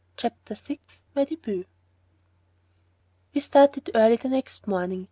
CHAPTER VI MY DÉBUT We started early the next morning.